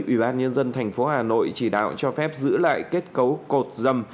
ủy ban nhân dân tp hà nội chỉ đạo cho phép giữ lại kết cấu cột dầm